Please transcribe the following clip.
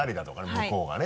向こうがね。